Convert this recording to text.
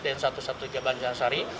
usus di sdn satu ratus tiga belas banjahasari